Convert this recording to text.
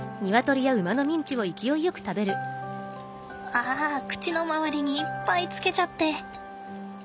あ口の周りにいっぱいつけちゃって。